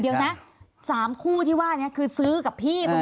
เดี๋ยวนะ๓คู่ที่ว่านี้คือซื้อกับพี่คุณ